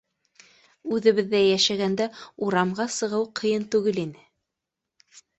Үҙебеҙҙә йәшәгәндә урамға сығыу ҡыйын түгел ине.